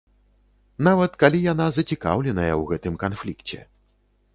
Нават калі яна зацікаўленая ў гэтым канфлікце.